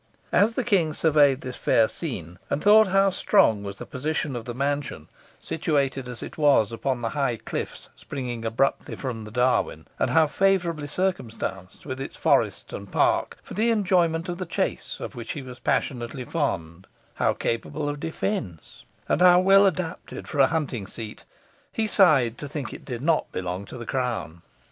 As the King surveyed this fair scene, and thought how strong was the position of the mansion, situated as it was upon high cliffs springing abruptly from the Darwen, and how favourably circumstanced, with its forests and park, for the enjoyment of the chase, of which he was passionately fond, how capable of defence, and how well adapted for a hunting seat, he sighed to think it did not belong to the crown.